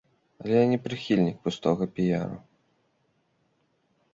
Але я не прыхільнік пустога піяру.